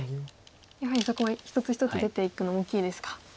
やはりそこは１つ１つ出ていくの大きいですか。